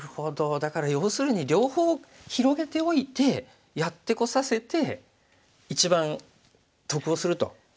だから要するに両方広げておいてやってこさせて一番得をするという考え方なわけですね。